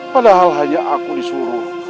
padahal hanya aku disuruh